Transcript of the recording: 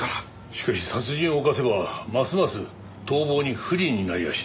しかし殺人を犯せばますます逃亡に不利になりはしないかな？